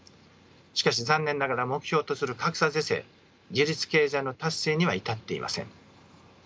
しかし残念ながら目標とする格差是正自立経済の達成には至っていません。